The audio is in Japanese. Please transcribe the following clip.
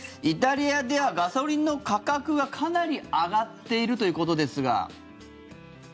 イタリアではガソリンの価格がかなり上がっているということですが。